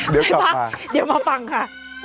เดี๋ยวกลับมาเดี๋ยวมาฟังค่ะ